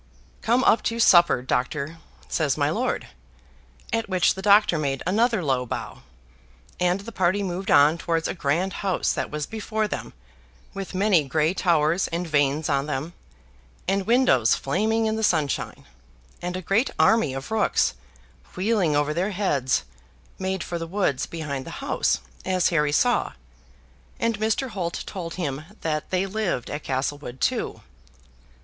"Come up to supper, Doctor," says my lord; at which the Doctor made another low bow, and the party moved on towards a grand house that was before them, with many gray towers and vanes on them, and windows flaming in the sunshine; and a great army of rooks, wheeling over their heads, made for the woods behind the house, as Harry saw; and Mr. Holt told him that they lived at Castlewood too.